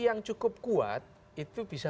yang cukup kuat itu bisa